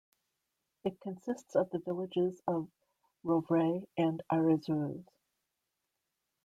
It consists of the villages of Rovray and Arrissoules.